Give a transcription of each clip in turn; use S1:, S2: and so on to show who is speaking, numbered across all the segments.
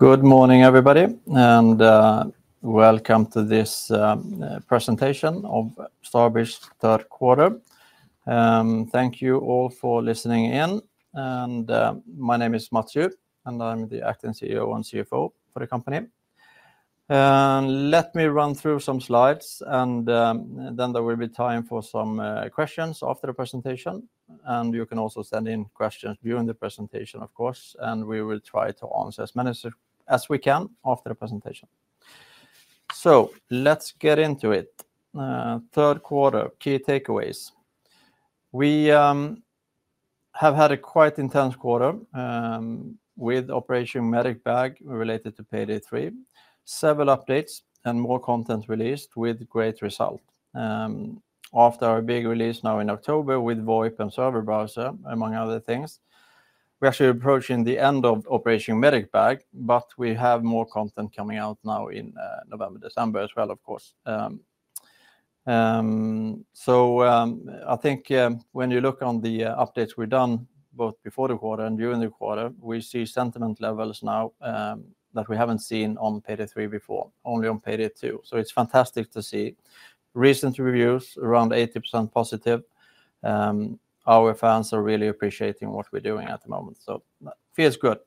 S1: Good morning, everybody, and welcome to this presentation of Starbreeze Third Quarter. Thank you all for listening in. My name is Mats Juhl, and I'm the Acting CEO and CFO for the company. Let me run through some slides, and then there will be time for some questions after the presentation. You can also send in questions during the presentation, of course, and we will try to answer as many as we can after the presentation. So let's get into it. Third Quarter, key takeaways. We have had a quite intense quarter with Operation Medic Bag related to Payday 3, several updates, and more content released with great results. After our big release now in October with VoIP and server browser, among other things, we're actually approaching the end of Operation Medic Bag, but we have more content coming out now in November, December as well, of course. So I think when you look on the updates we've done, both before the quarter and during the quarter, we see sentiment levels now that we haven't seen on Payday 3 before, only on Payday 2. So it's fantastic to see recent reviews, around 80% positive. Our fans are really appreciating what we're doing at the moment, so it feels good.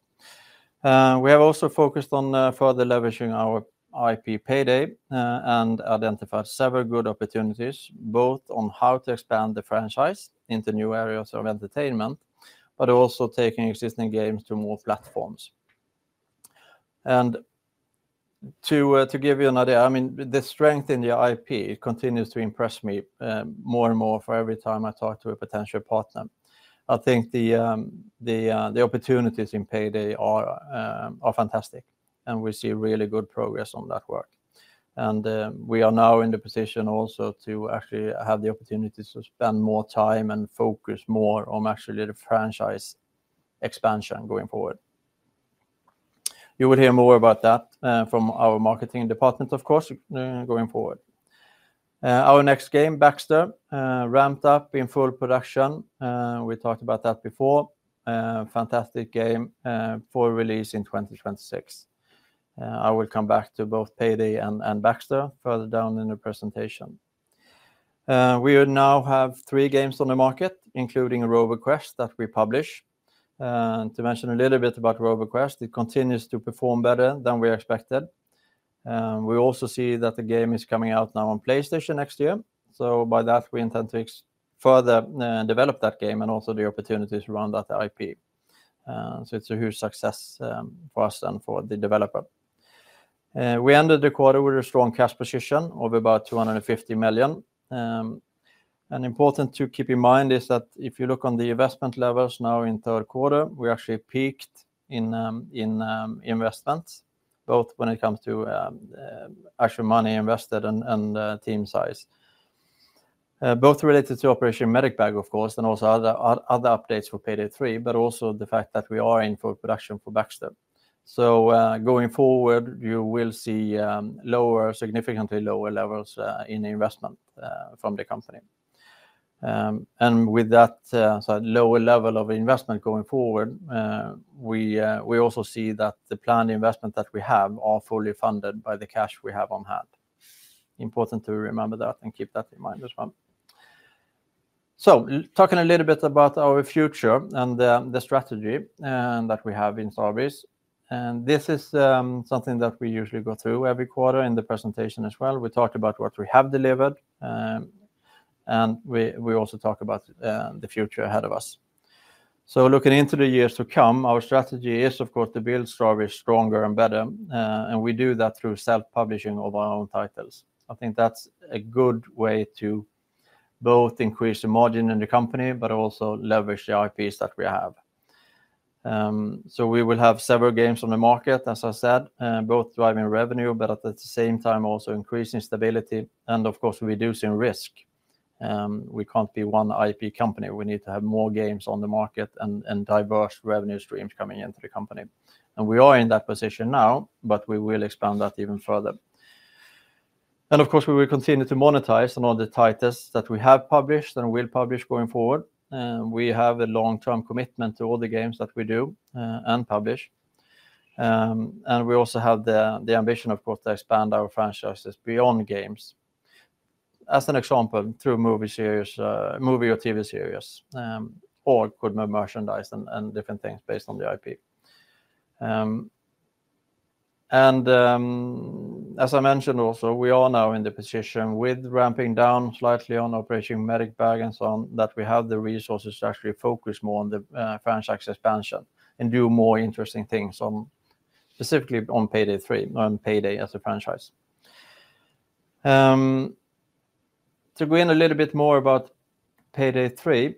S1: We have also focused on further leveraging our IP Payday and identified several good opportunities, both on how to expand the franchise into new areas of entertainment, but also taking existing games to more platforms. And to give you an idea, I mean, the strength in the IP continues to impress me more and more for every time I talk to a potential partner. I think the opportunities in Payday are fantastic, and we see really good progress on that work. And we are now in the position also to actually have the opportunity to spend more time and focus more on actually the franchise expansion going forward. You will hear more about that from our marketing department, of course, going forward. Our next game, Baxter, ramped up in full production. We talked about that before. Fantastic game for release in 2026. I will come back to both Payday and Baxter further down in the presentation. We now have three games on the market, including Roboquest, that we publish. To mention a little bit about Roboquest, it continues to perform better than we expected. We also see that the game is coming out now on PlayStation next year. So by that, we intend to further develop that game and also the opportunities around that IP. So it's a huge success for us and for the developer. We ended the quarter with a strong cash position of about 250 million, and important to keep in mind is that if you look on the investment levels now in third quarter, we actually peaked in investments, both when it comes to actual money invested and team size, both related to Operation Medic Bag, of course, and also other updates for Payday 3, but also the fact that we are in full production for Baxter, so going forward, you will see lower, significantly lower levels in investment from the company. And with that lower level of investment going forward, we also see that the planned investment that we have are fully funded by the cash we have on hand. Important to remember that and keep that in mind as well. Talking a little bit about our future and the strategy that we have in Starbreeze, and this is something that we usually go through every quarter in the presentation as well. We talk about what we have delivered, and we also talk about the future ahead of us. Looking into the years to come, our strategy is, of course, to build Starbreeze stronger and better, and we do that through self-publishing of our own titles. I think that's a good way to both increase the margin in the company, but also leverage the IPs that we have. We will have several games on the market, as I said, both driving revenue, but at the same time also increasing stability and, of course, reducing risk. We can't be one IP company. We need to have more games on the market and diverse revenue streams coming into the company. We are in that position now, but we will expand that even further. Of course, we will continue to monetize on all the titles that we have published and will publish going forward. We have a long-term commitment to all the games that we do and publish. We also have the ambition, of course, to expand our franchises beyond games. As an example, through movie series, movie or TV series, or cool merchandise and different things based on the IP. As I mentioned also, we are now in the position with ramping down slightly on Operation Medic Bag and so on that we have the resources to actually focus more on the franchise expansion and do more interesting things specifically on Payday 3, on Payday as a franchise. To go in a little bit more about Payday 3,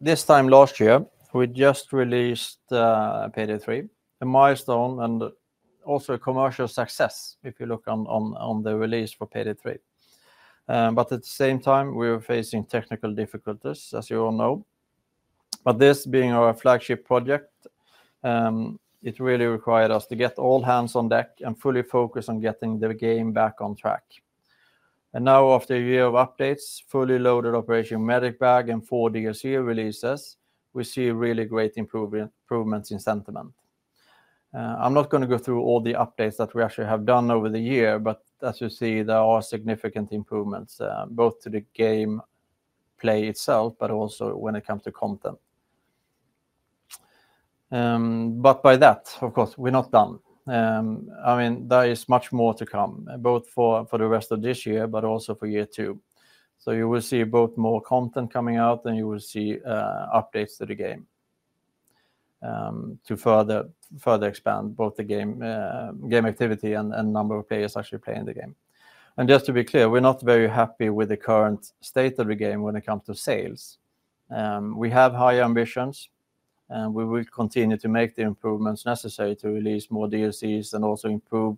S1: this time last year, we just released Payday 3, a milestone and also a commercial success if you look on the release for Payday 3, but at the same time, we were facing technical difficulties, as you all know, but this being our flagship project, it really required us to get all hands on deck and fully focus on getting the game back on track, and now, after a year of updates, fully loaded Operation Medic Bag and four DLC releases, we see really great improvements in sentiment. I'm not going to go through all the updates that we actually have done over the year, but as you see, there are significant improvements both to the game play itself, but also when it comes to content, but by that, of course, we're not done. I mean, there is much more to come, both for the rest of this year, but also for year two. So you will see both more content coming out and you will see updates to the game to further expand both the game activity and number of players actually playing the game. And just to be clear, we're not very happy with the current state of the game when it comes to sales. We have high ambitions, and we will continue to make the improvements necessary to release more DLCs and also improve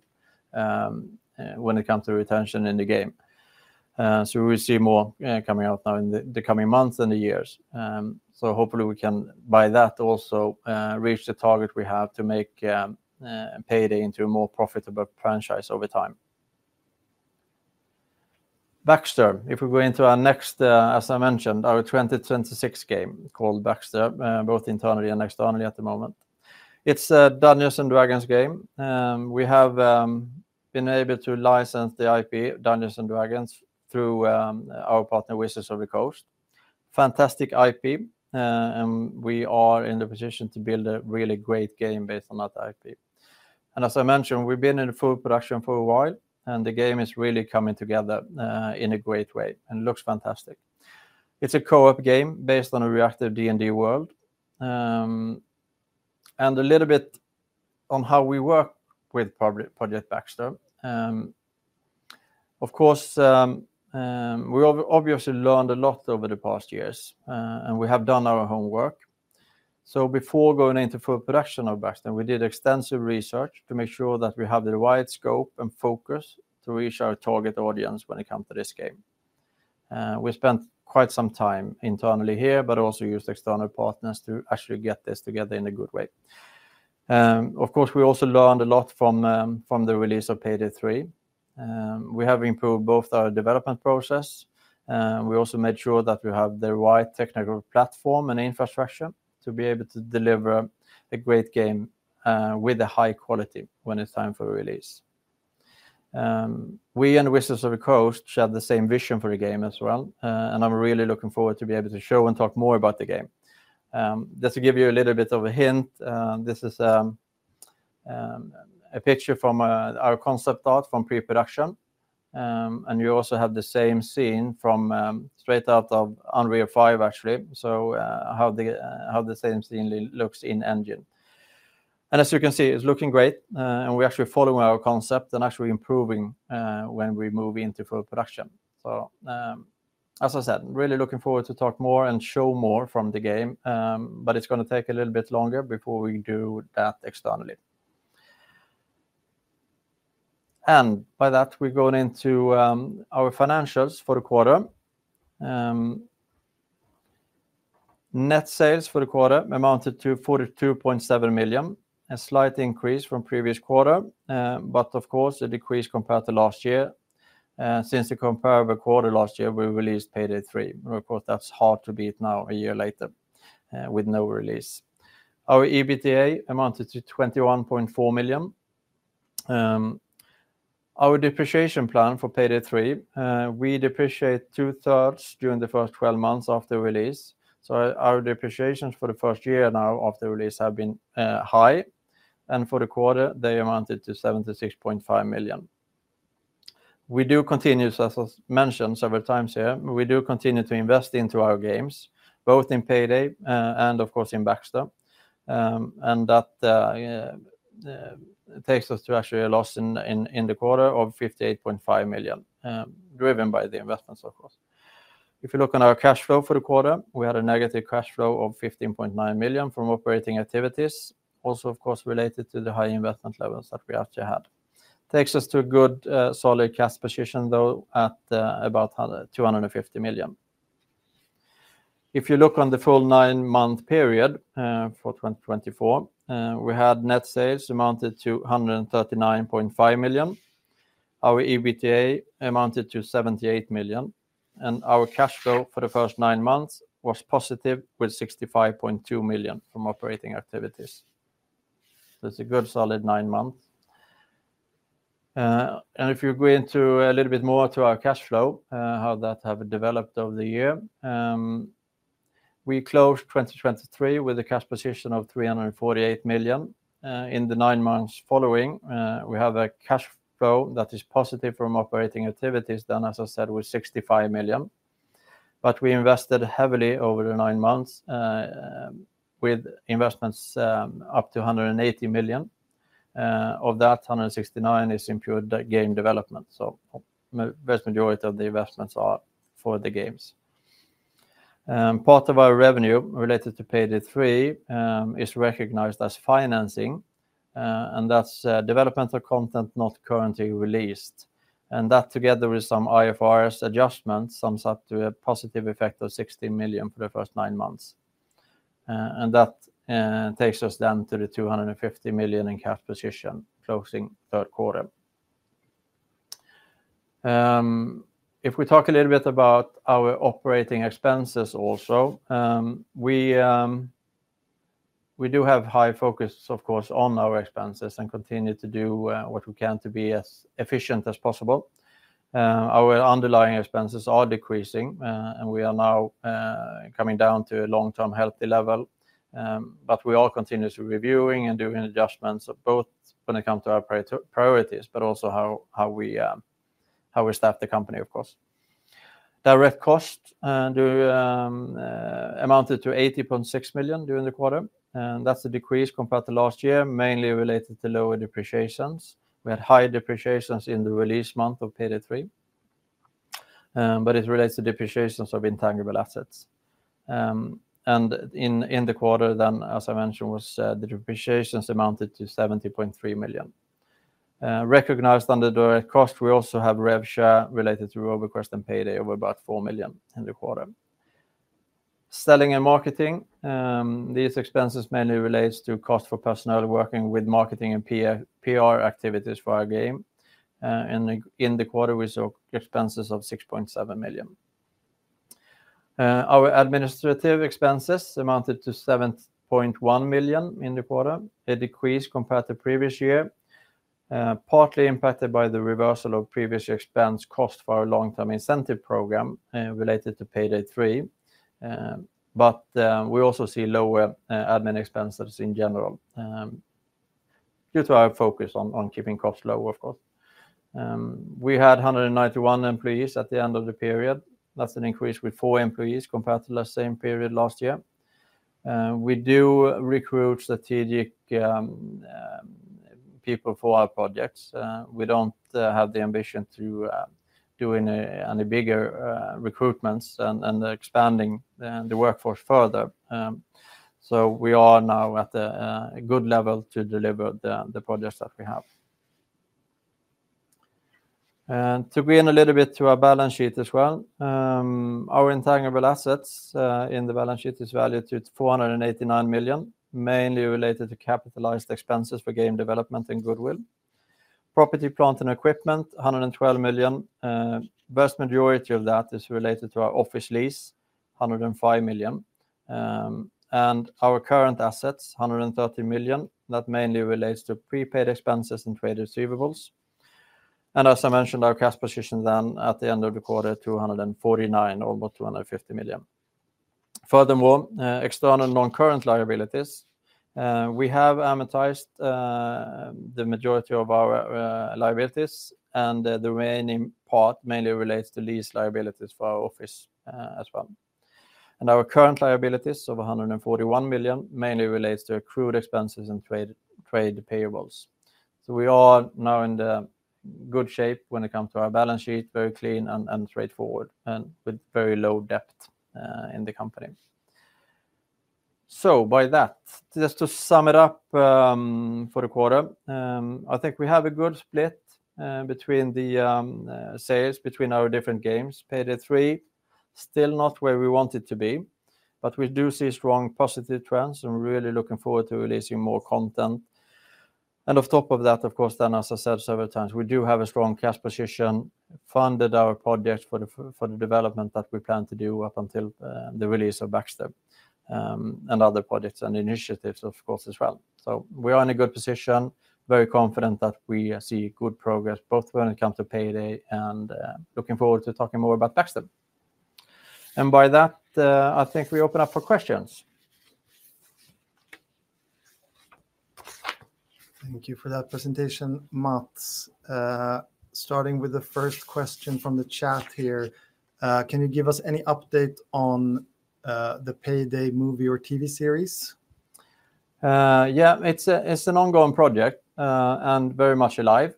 S1: when it comes to retention in the game. So we will see more coming out now in the coming months and the years. So hopefully we can, by that, also reach the target we have to make Payday into a more profitable franchise over time. Baxter, if we go into our next, as I mentioned, our 2026 game called Baxter, both internally and externally at the moment, it's a Dungeons & Dragons game. We have been able to license the IP Dungeons & Dragons through our partner, Wizards of the Coast. Fantastic IP. We are in the position to build a really great game based on that IP. As I mentioned, we've been in full production for a while, and the game is really coming together in a great way and looks fantastic. It's a co-op game based on a reactive D&D world. A little bit on how we work with Project Baxter. Of course, we obviously learned a lot over the past years, and we have done our homework. Before going into full production of Baxter, we did extensive research to make sure that we have the right scope and focus to reach our target audience when it comes to this game. We spent quite some time internally here, but also used external partners to actually get this together in a good way. Of course, we also learned a lot from the release of Payday 3. We have improved both our development process. We also made sure that we have the right technical platform and infrastructure to be able to deliver a great game with a high quality when it's time for release. We and Wizards of the Coast share the same vision for the game as well, and I'm really looking forward to be able to show and talk more about the game. Just to give you a little bit of a hint, this is a picture from our concept art from pre-production, and you also have the same scene straight out of Unreal 5, actually, so how the same scene looks in engine, and as you can see, it's looking great, and we're actually following our concept and actually improving when we move into full production, so as I said, really looking forward to talk more and show more from the game, but it's going to take a little bit longer before we do that externally, and by that, we're going into our financials for the quarter. Net sales for the quarter amounted to 42.7 million, a slight increase from previous quarter, but of course, a decrease compared to last year, since the comparable quarter last year, we released Payday 3. Of course, that's hard to beat now a year later with no release. Our EBITDA amounted to 21.4 million. Our depreciation plan for Payday 3, we depreciate two-thirds during the first 12 months after release. So our depreciation for the first year now after release has been high, and for the quarter, they amounted to 76.5 million. We do continue, as I mentioned several times here, we do continue to invest into our games, both in Payday and, of course, in Baxter. And that takes us to actually a loss in the quarter of 58.5 million, driven by the investments, of course. If you look on our cash flow for the quarter, we had a negative cash flow of 15.9 million from operating activities, also, of course, related to the high investment levels that we actually had. Takes us to a good solid cash position, though, at about 250 million. If you look on the full nine-month period for 2024, we had net sales amounted to 139.5 million. Our EBITDA amounted to 78 million, and our cash flow for the first nine months was positive with 65.2 million from operating activities, so it's a good solid nine months, and if you go into a little bit more to our cash flow, how that has developed over the year, we closed 2023 with a cash position of 348 million. In the nine months following, we have a cash flow that is positive from operating activities then, as I said, with 65 million, but we invested heavily over the nine months with investments up to 180 million. Of that, 169 million is in pure game development, so the vast majority of the investments are for the games. Part of our revenue related to Payday 3 is recognized as financing, and that's developmental content not currently released, and that, together with some IFRS adjustments, sums up to a positive effect of 16 million SEK for the first nine months, and that takes us then to the 250 million SEK in cash position closing third quarter. If we talk a little bit about our operating expenses also, we do have high focus, of course, on our expenses and continue to do what we can to be as efficient as possible. Our underlying expenses are decreasing, and we are now coming down to a long-term healthy level, but we are continuously reviewing and doing adjustments both when it comes to our priorities, but also how we staff the company, of course. Direct costs amounted to 80.6 million SEK during the quarter. And that's a decrease compared to last year, mainly related to lower depreciations. We had high depreciations in the release month of Payday 3, but it relates to depreciations of intangible assets. And in the quarter then, as I mentioned, was the depreciations amounted to 70.3 million. Recognized under direct costs, we also have rev share related to Roboquest and Payday of about 4 million in the quarter. Selling and marketing, these expenses mainly relate to cost for personnel working with marketing and PR activities for our game. And in the quarter, we saw expenses of 6.7 million. Our administrative expenses amounted to 7.1 million in the quarter. A decrease compared to previous year, partly impacted by the reversal of previous year expense cost for our long-term incentive program related to Payday 3. But we also see lower admin expenses in general due to our focus on keeping costs low, of course. We had 191 employees at the end of the period. That's an increase with four employees compared to the same period last year. We do recruit strategic people for our projects. We don't have the ambition to do any bigger recruitments and expanding the workforce further. So we are now at a good level to deliver the projects that we have. To go in a little bit to our balance sheet as well, our intangible assets in the balance sheet is valued to 489 million, mainly related to capitalized expenses for game development and goodwill. Property, plant and equipment, 112 million. The vast majority of that is related to our office lease, 105 million. And our current assets, 130 million, that mainly relates to prepaid expenses and trade receivables. As I mentioned, our cash position then at the end of the quarter, 249 million, almost 250 million. Furthermore, external non-current liabilities, we have amortized the majority of our liabilities, and the remaining part mainly relates to lease liabilities for our office as well. Our current liabilities of 141 million mainly relates to accrued expenses and trade payables. We are now in good shape when it comes to our balance sheet, very clean and straightforward, and with very low debt in the company. By that, just to sum it up for the quarter, I think we have a good split between the sales between our different games, Payday 3, still not where we want it to be, but we do see strong positive trends and really looking forward to releasing more content. On top of that, of course, then, as I said several times, we do have a strong cash position funded our projects for the development that we plan to do up until the release of Baxter and other projects and initiatives, of course, as well. So we are in a good position, very confident that we see good progress both when it comes to Payday and looking forward to talking more about Baxter. By that, I think we open up for questions.
S2: Thank you for that presentation, Mats. Starting with the first question from the chat here, can you give us any update on the Payday movie or TV series?
S1: Yeah, it's an ongoing project and very much alive.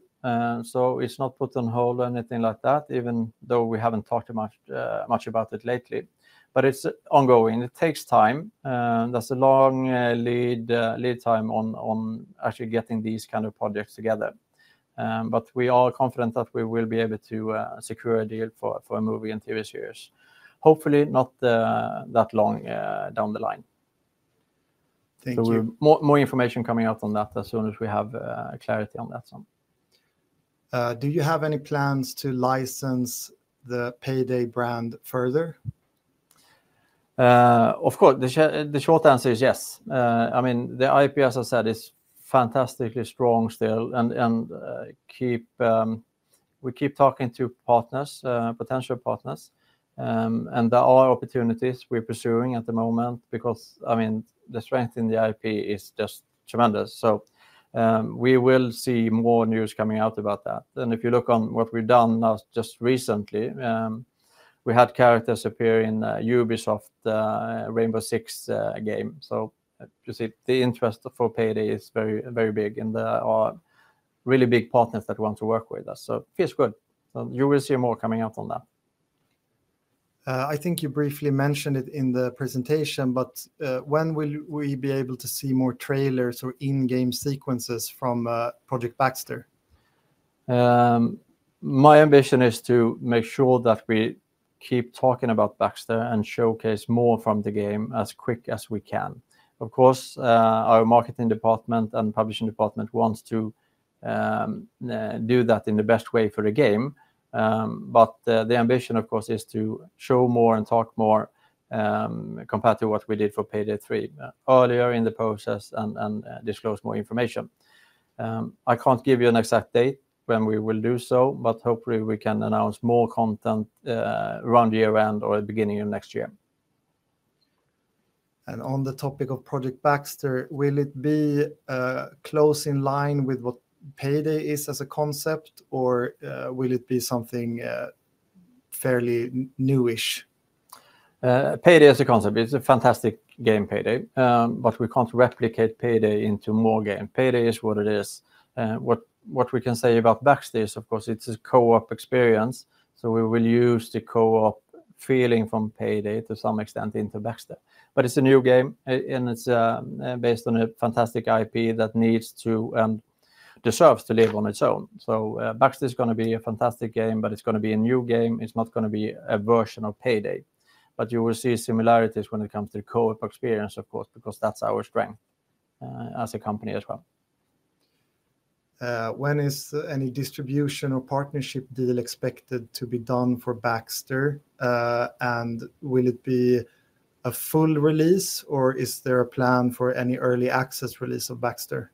S1: So it's not put on hold or anything like that, even though we haven't talked much about it lately. But it's ongoing. It takes time. There's a long lead time on actually getting these kind of projects together, but we are confident that we will be able to secure a deal for a movie and TV series. Hopefully not that long down the line.
S2: Thank you.
S1: More information coming out on that as soon as we have clarity on that.
S2: Do you have any plans to license the Payday brand further?
S1: Of course, the short answer is yes. I mean, the IP, as I said, is fantastically strong still, and we keep talking to partners, potential partners. And there are opportunities we're pursuing at the moment because, I mean, the strength in the IP is just tremendous, so we will see more news coming out about that, and if you look on what we've done just recently, we had characters appear in Ubisoft Rainbow Six game. So you see the interest for Payday is very big and there are really big partners that want to work with us. So it feels good. So you will see more coming out on that.
S2: I think you briefly mentioned it in the presentation, but when will we be able to see more trailers or in-game sequences from Project Baxter?
S1: My ambition is to make sure that we keep talking about Baxter and showcase more from the game as quick as we can. Of course, our marketing department and publishing department wants to do that in the best way for the game. But the ambition, of course, is to show more and talk more compared to what we did for Payday 3 earlier in the process and disclose more information. I can't give you an exact date when we will do so, but hopefully we can announce more content around year-end or at the beginning of next year.
S2: On the topic of Project Baxter, will it be close in line with what Payday is as a concept, or will it be something fairly newish?
S1: Payday as a concept, it's a fantastic game, Payday, but we can't replicate Payday into more game. Payday is what it is. What we can say about Baxter is, of course, it's a co-op experience. We will use the co-op feeling from Payday to some extent into Baxter. It's a new game and it's based on a fantastic IP that needs to and deserves to live on its own. Baxter is going to be a fantastic game, but it's going to be a new game. It's not going to be a version of Payday. But you will see similarities when it comes to the co-op experience, of course, because that's our strength as a company as well.
S2: When is any distribution or partnership deal expected to be done for Baxter? And will it be a full release, or is there a plan for any early access release of Baxter?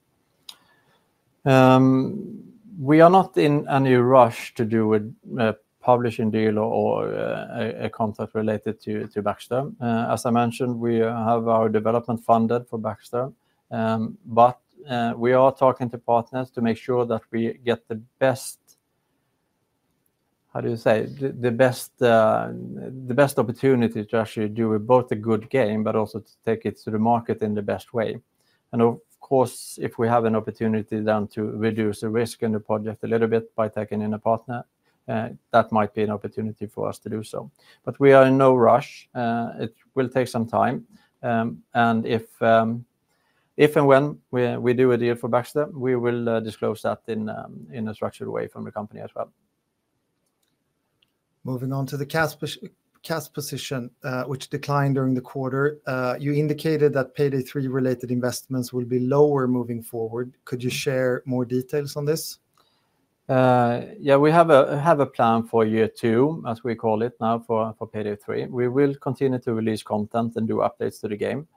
S1: We are not in any rush to do a publishing deal or a contract related to Baxter. As I mentioned, we have our development funded for Baxter. But we are talking to partners to make sure that we get the best, how do you say, the best opportunity to actually do both a good game, but also to take it to the market in the best way. Of course, if we have an opportunity then to reduce the risk in the project a little bit by taking in a partner, that might be an opportunity for us to do so. We are in no rush. It will take some time. If and when we do a deal for Baxter, we will disclose that in a structured way from the company as well.
S2: Moving on to the cash position, which declined during the quarter, you indicated that Payday 3 related investments will be lower moving forward. Could you share more details on this?
S1: Yeah, we have a plan for year two, as we call it now for Payday 3. We will continue to release content and do updates to the game.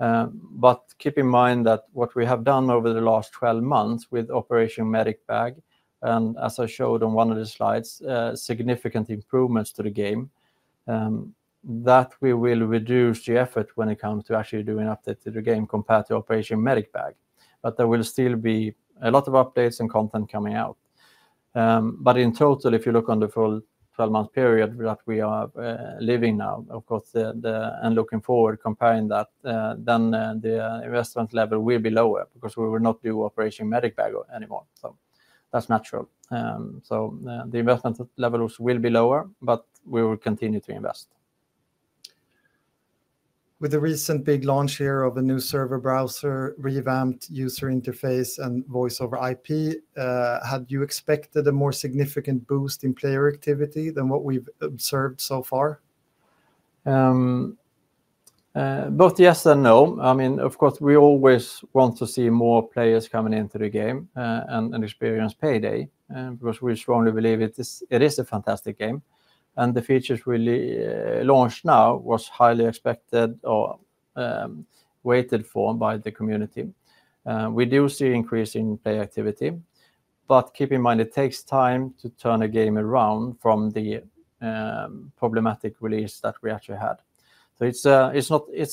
S1: But keep in mind that what we have done over the last 12 months with Operation Medic Bag, and as I showed on one of the slides, significant improvements to the game, that we will reduce the effort when it comes to actually doing updates to the game compared to Operation Medic Bag. But there will still be a lot of updates and content coming out. But in total, if you look on the full 12-month period that we are living now, of course, and looking forward, comparing that, then the investment level will be lower because we will not do Operation Medic Bag anymore. So that's natural. So the investment levels will be lower, but we will continue to invest.
S2: With the recent big launch here of a new server browser, revamped user interface, and voice over IP, had you expected a more significant boost in player activity than what we've observed so far?
S1: Both yes and no. I mean, of course, we always want to see more players coming into the game and experience Payday because we strongly believe it is a fantastic game, and the features we launched now were highly expected or waited for by the community. We do see an increase in player activity, but keep in mind, it takes time to turn a game around from the problematic release that we actually had, so it's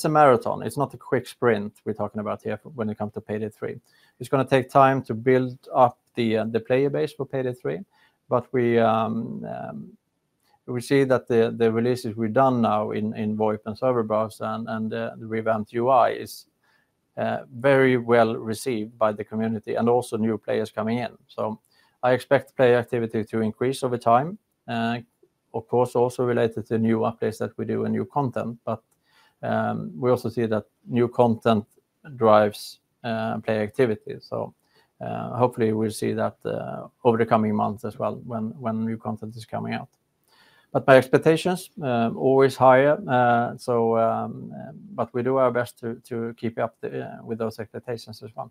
S1: a marathon. It's not a quick sprint we're talking about here when it comes to Payday three. It's going to take time to build up the player base for Payday three. But we see that the releases we've done now in VoIP and server browser and the revamped UI is very well received by the community and also new players coming in. So I expect player activity to increase over time, of course, also related to new updates that we do and new content. But we also see that new content drives player activity. So hopefully we'll see that over the coming months as well when new content is coming out. But my expectations are always higher. But we do our best to keep up with those expectations as well.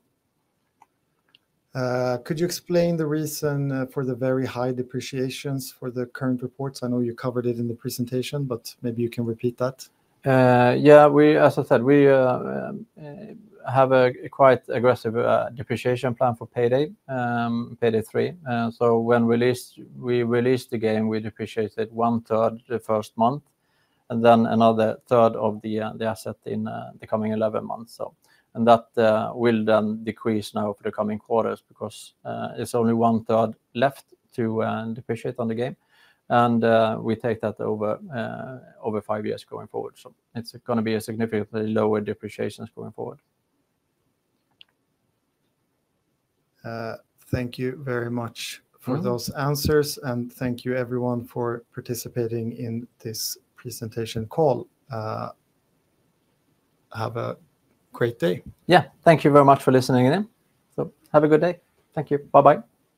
S2: Could you explain the reason for the very high depreciations for the current reports? I know you covered it in the presentation, but maybe you can repeat that.
S1: Yeah, as I said, we have a quite aggressive depreciation plan for Payday three. So when we release the game, we depreciate it one-third the first month and then another third of the asset in the coming 11 months. And that will then decrease now for the coming quarters because it's only one-third left to depreciate on the game. And we take that over five years going forward. So it's going to be a significantly lower depreciation going forward.
S2: Thank you very much for those answers. And thank you everyone for participating in this presentation call. Have a great day.
S1: Yeah, thank you very much for listening in. Have a good day. Thank you. Bye-bye.